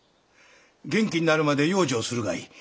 元気になるまで養生するがいい。